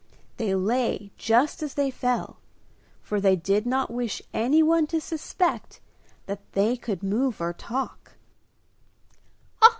They lay just as they fell, for they did not wish anyone to suspect that they could move or talk.